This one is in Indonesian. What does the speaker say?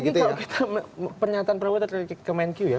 apalagi kalau pernyataan prabowo terlalu kemen kew ya